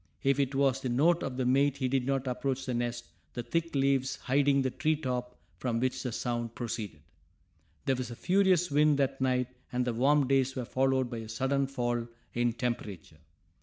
If it was the note of the mate he did not approach the nest, the thick leaves hiding the tree top from which the sound proceeded. There was a furious wind that night and the warm days were followed by a sudden fall in temperature.